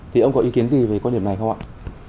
thì ông có ý kiến gì về quan điểm này không ạ